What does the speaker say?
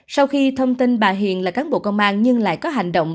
sau khi thông tin bà hiền là cán bộ công an nhưng lại có hành động